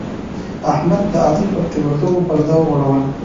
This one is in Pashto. احمد د علي پر تېروتنو پرده وغوړوله.